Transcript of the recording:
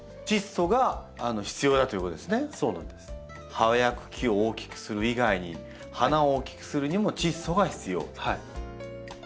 葉や茎を大きくする以外に花を大きくするにもチッ素が必要と。